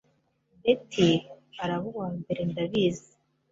Beti Araba uwambere ndabizi